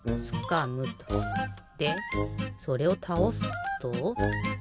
でそれをたおすと。